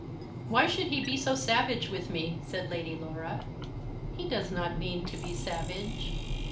"Why should he be so savage with me?" said Lady Laura. "He does not mean to be savage."